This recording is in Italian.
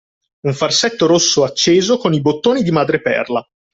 Un farsetto rosso acceso con i bottoni di madreperla